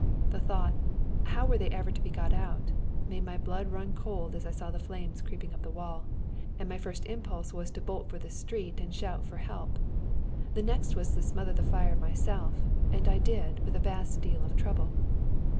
The thougiit: how were tliey ever to be got out ? made my blood run cold ae I saw the flames creeping np the wall, and my first impulse was to bolt for the street and shout for help. The next was to smother the fire myself, and I did, with a vast deal of trouble.